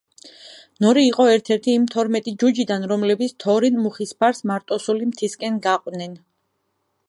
ნორი იყო ერთ-ერთი იმ თორმეტი ჯუჯიდან, რომლებიც თორინ მუხისფარს მარტოსული მთისკენ გაყვნენ.